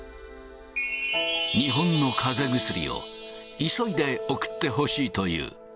日本のかぜ薬を急いで送ってほしいという。